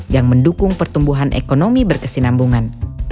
yang mendukung pertumbuhan ekonomi berkesinambungan